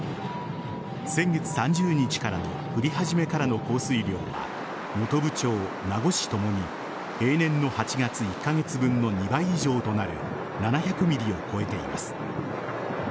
先月３０日からの降り始めからの降水量は本部町、名護市ともに平年の８月１カ月分の２倍以上となる７００ｍｍを超えています。